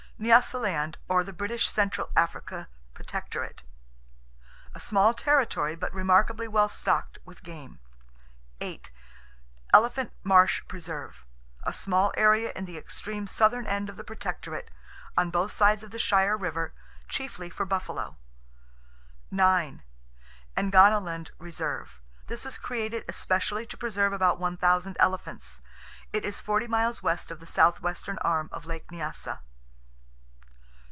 Nyasaland, Or The British Central Africa Protectorate. A small territory, but remarkably well stocked with game. 8. Elephant Marsh Preserve.—A small area in the extreme southern end of the Protectorate, on both sides of the Shire River, chiefly for buffalo. 9. Angoniland Reserve.—This was created especially to preserve about one thousand elephants. It is forty miles west of the southwestern arm of Lake Nyasa.